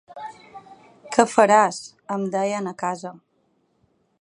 Què faràs, em deien a casa.